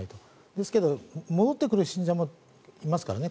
ですけど、戻ってくる信者もいますからね。